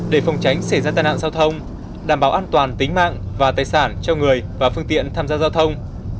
để phòng tránh xảy ra tai nạn giao thông đảm bảo an toàn tính mạng và tài sản cho người và phương tiện tham gia giao thông